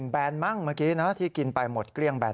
แนนมั่งเมื่อกี้นะที่กินไปหมดเกลี้ยงแนน